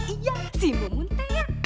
iya si mumun teh ya